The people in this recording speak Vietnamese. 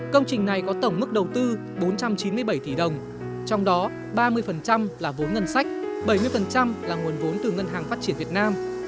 công trình này có tổng mức đầu tư bốn trăm chín mươi bảy tỷ đồng trong đó ba mươi là vốn ngân sách bảy mươi là nguồn vốn từ ngân hàng phát triển việt nam